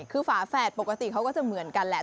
คือฝาแฝดปกติเขาก็จะเหมือนกันแหละ